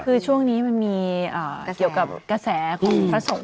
คือช่วงนี้มันมีเกี่ยวกับกระแสของพระสงฆ์